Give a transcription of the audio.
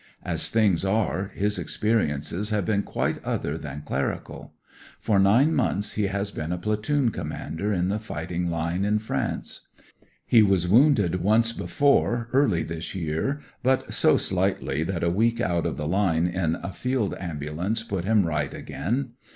As things are, his experiences have been quite other than clerical. For nine months he has been a platoon commander in the fighting line in France. He was wounded once before, early this year, but so slightly that a week out of the line in a field ambulance put him right again.